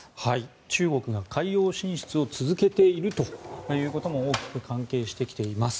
中国が海洋進出を続けているということも大きく関係してきています。